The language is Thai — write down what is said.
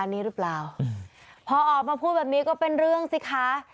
และความสุขของคุณค่ะ